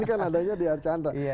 ini kan adanya di archandra